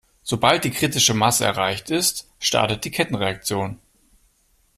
Sobald die kritische Masse erreicht ist, startet die Kettenreaktion.